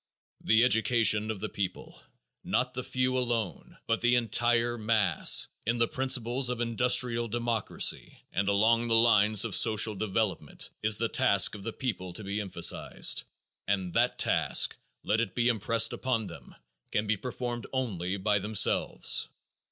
The education of the people, not the few alone, but the entire mass in the principles of industrial democracy and along the lines of social development is the task of the people to be emphasized and that task let it be impressed upon them can be performed only by themselves.